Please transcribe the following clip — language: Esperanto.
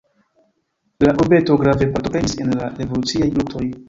La urbeto grave partoprenis en la revoluciaj luktoj.